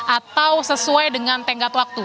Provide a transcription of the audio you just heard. atau sesuai dengan tenggat waktu